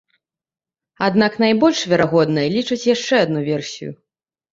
Аднак найбольш верагоднай лічаць яшчэ адну версію.